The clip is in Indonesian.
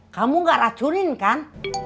kamu gak racunin kan